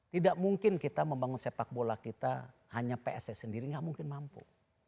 tidak mungkin kita membangun sepak bola kita hanya pss sendiri nggak mungkin mampu